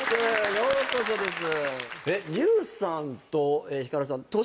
ようこそです